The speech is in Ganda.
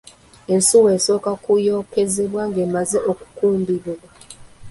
Ensuwa esooka kunyokezebwa ng’emazze okubumbibwa.